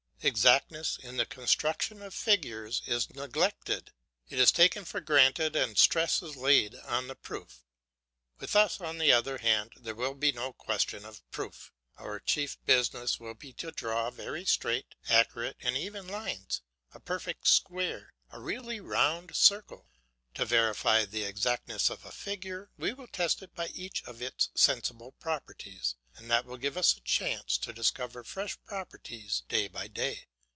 Exactness in the construction of figures is neglected; it is taken for granted and stress is laid on the proof. With us, on the other hand, there will be no question of proof. Our chief business will be to draw very straight, accurate, and even lines, a perfect square, a really round circle. To verify the exactness of a figure we will test it by each of its sensible properties, and that will give us a chance to discover fresh properties day by day.